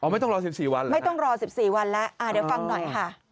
ไม่ต้องรอ๑๔วันไม่ต้องรอ๑๔วันแล้วเดี๋ยวฟังหน่อยค่ะ